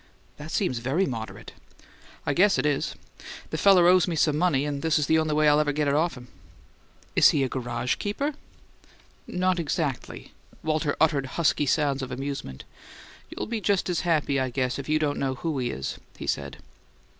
"That seems very moderate." "I guess it is! The feller owes me some money, and this is the only way I'd ever get it off him." "Is he a garage keeper?" "Not exactly!" Walter uttered husky sounds of amusement. "You'll be just as happy, I guess, if you don't know who he is," he said.